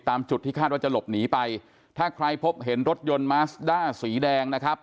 ตามจุดที่คาดว่าจะหลบหนีไปถ้าใครพบเห็นรถยนต์มาสด้าสีแดงนะครับ